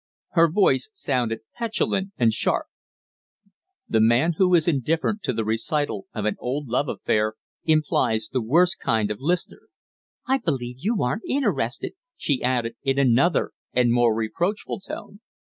Her voice sounded petulant and sharp. The man who is indifferent to the recital of an old love affair implies the worst kind of listener. "I believe you aren't interested," she added, in another and more reproachful tone.